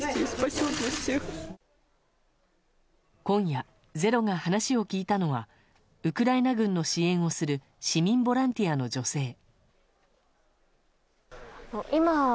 今夜、「ｚｅｒｏ」が話を聞いたのはウクライナ軍の支援をする市民ボランティアの女性。